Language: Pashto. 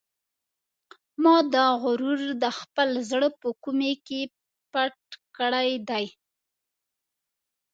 ما دا غرور د خپل زړه په کومې کې پټ کړی دی.